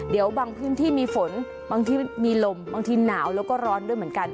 เดี๋ยวบางพื้นที่มีฝนบางที่มีลมบางทีหนาวแล้วก็ร้อนด้วยเหมือนกัน